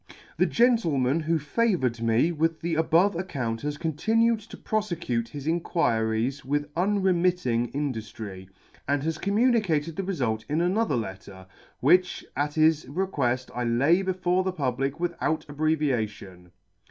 The gentleman who favoured me with the above account has continued to profecute his inquiries w r ith unremitting induftry, Y 2 and [* 5 6 3 and has communicated the refult in another letter, which at his requeft I lay before the public without abbreviation.